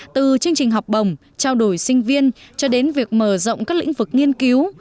từ chương trình học bồng trao đổi sinh viên cho đến việc mở rộng các lĩnh vực nghiên cứu